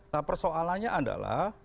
nah persoalannya adalah